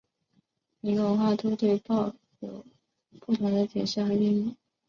每个文化都对拥抱有着不同的解释和定义。